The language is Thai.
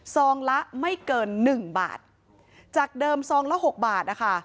ซองละไม่เกินหนึ่งบาทจากเดิมซองละหกบาทนะคะ